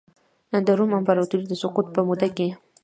د روم امپراتورۍ د سقوط په موده کې.